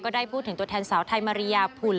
ได้พูดถึงตัวแทนสาวไทยมาริยาพุน